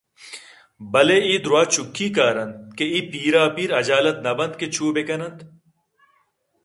بلئے اے دُرٛاہ چکُی کار اَنت کہ اے پیر ءَ پیرحجالت نہ بنت کہ چوبہ کن اَنت